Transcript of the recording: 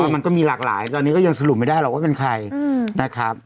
ไม่มีหลากหลายตอนนี้ยังสรุปไม่ได้หรอกว่าเป็นใคร